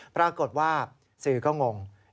ปรากฏว่าสื่อก็งง